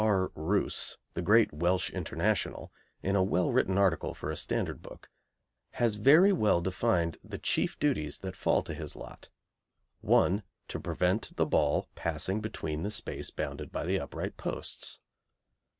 L. R. Roose, the great Welsh International, in a well written article for a standard book, has very well defined the chief duties that fall to his lot. 1. To prevent the ball passing between the space bounded by the upright posts.